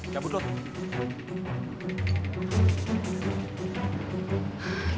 cabut lo tuh